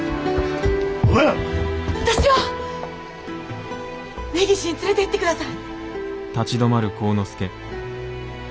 私を根岸に連れてって下さい。